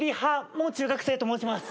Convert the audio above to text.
もう中学生と申します。